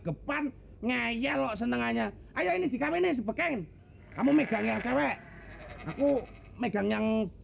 depan ngaya lo senangannya ayo ini di kami nih sebagian kamu megang yang cewek aku megang yang